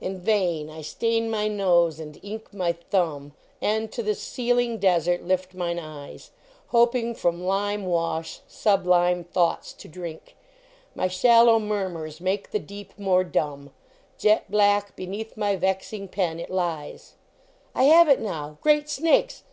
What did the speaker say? In vain I stain my nose and ink my thumb, And to the Ceiling desert lift mine 0708, Hoping from lime wash, sub lime thoughts to drink; My shallow murmurs make the deep more dumb ; Jet black beneath my vexing pen it li. < I have it now ! Great snakes